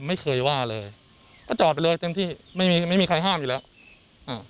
ไม่เคยว่าเลยก็จอดไปเลยเต็มที่ไม่มีไม่มีใครห้ามอยู่แล้วอ่า